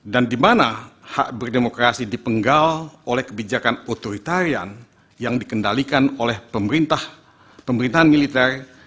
dan di mana hak berdemokrasi dipenggal oleh kebijakan otoritarian yang dikendalikan oleh pemerintahan militer